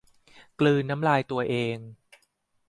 กลืนน้ำลายตัวเอง